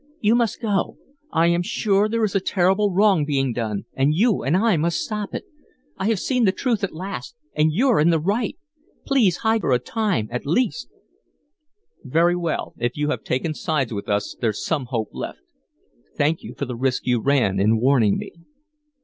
"You must go. I am sure there is a terrible wrong being done, and you and I must stop it. I have seen the truth at last, and you're in the right. Please hide for a time at least." "Very well. If you have taken sides with us there's some hope left. Thank you for the risk you ran in warning me."